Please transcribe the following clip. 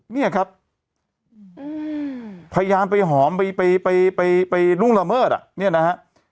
เนี่ยครับพยายามไปหอมไปไปล่วงละเมิดอ่ะเนี่ยนะฮะ